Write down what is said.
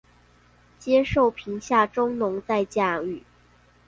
接受貧下中農再教育